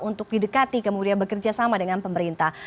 untuk didekati kemudian bekerja sama dengan pemerintah